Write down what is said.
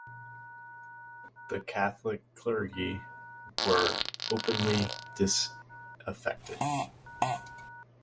The Catholic clergy were openly disaffected.